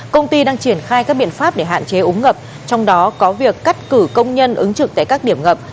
công ty đang triển khai các biện pháp để hạn chế úng ngập trong đó có việc cắt cử công nhân ứng trực tại các điểm ngập